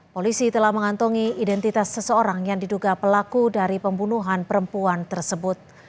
polisi telah mengantongi identitas seseorang yang diduga pelaku dari pembunuhan perempuan tersebut